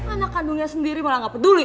anak kandungnya sendiri malah nggak peduli